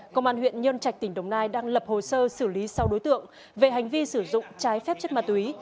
công an huyện nhân trạch tỉnh đồng nai đang lập hồ sơ xử lý sau đối tượng về hành vi sử dụng trái phép chất ma túy